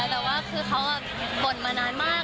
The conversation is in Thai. แต่ว่าคือเขาบ่นมานานมาก